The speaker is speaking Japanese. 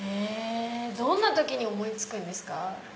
どんな時に思い付くんですか？